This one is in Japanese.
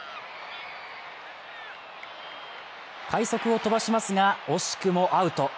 快足を飛ばしますが、惜しくもアウト。